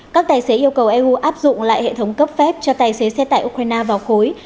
các tài xế yêu cầu eu áp dụng lại hệ thống cấp phép cho tài xế xe tải ukraine vào khối